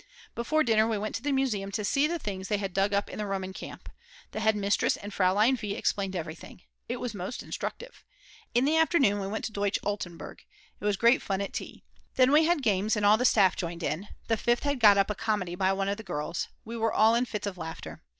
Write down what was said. Before dinner we went to the museum to see the things they had dug up in the Roman camp. The head mistress and Fraulein V. explained everything. It was most instructive. In the afternoon we went to Deutsch Altenburg. It was great fun at tea. Then we had games and all the staff joined in, the Fifth had got up a comedy by one of the girls. We were all in fits of laughter.